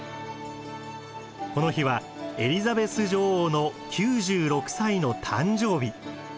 この日はエリザベス女王の９６歳の誕生日。